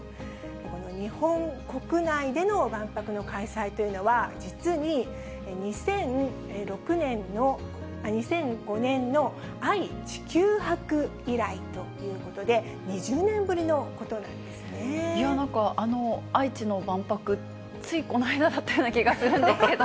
日本国内での万博の開催というのは、実に２００５年の愛・地球博以来ということで、２０年ぶりのことなんなんか、愛知の万博、ついこの間だったような気がするんですけど。